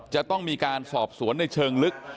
จะต้องมีการสอบสวนในเชิงลึก